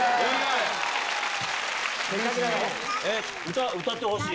歌歌ってほしい。